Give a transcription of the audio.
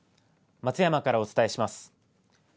松山からお伝えします。